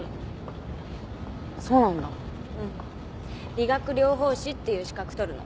理学療法士っていう資格取るの。